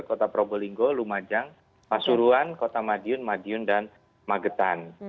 kota probolinggo lumajang pasuruan kota madiun madiun dan magetan